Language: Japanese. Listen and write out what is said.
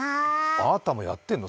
あーたも、やってんの？